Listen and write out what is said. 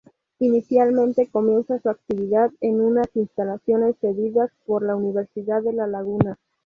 Inicialmente, comienza su actividad en unas instalaciones cedidas por la Universidad de la Laguna.